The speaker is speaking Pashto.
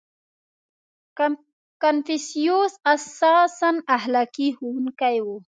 • کنفوسیوس اساساً اخلاقي ښوونکی و.